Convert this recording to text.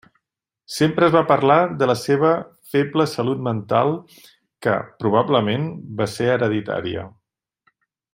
Sempre es va parlar de la seva feble salut mental que, probablement, va ser hereditària.